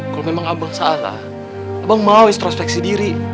kalau memang abang salah abang mau instrospeksi diri